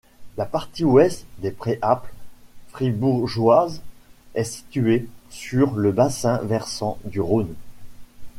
La partie ouest des Préalpes fribourgeoises est située sur le bassin versant du Rhône.